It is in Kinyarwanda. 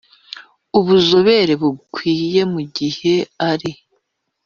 Ubuzobere bukwiye mu gihe ari